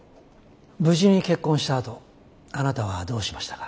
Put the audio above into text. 無事に結婚したあとあなたはどうしましたか？